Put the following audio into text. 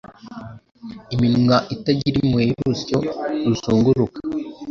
Iminwa itagira impuhwe y'urusyo ruzunguruka